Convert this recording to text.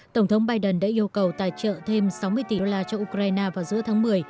tổng thống biden đã yêu cầu tài trợ thêm sáu mươi tỷ đô la cho ukraine vào giữa tháng một mươi